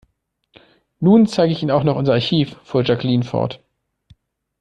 Nun zeige ich Ihnen noch unser Archiv, fuhr Jacqueline fort.